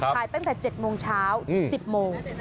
ขายตั้งแต่๗โมงเช้า๑๐โมง